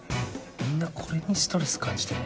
みんなこれにストレス感じてね？